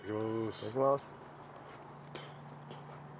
いただきます。